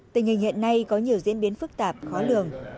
tình hình hiện nay có nhiều diễn biến phức tạp khó lường